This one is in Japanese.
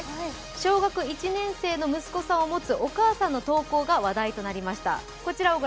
小学１年生の息子さんを持つお母さんの投稿が話題となりました。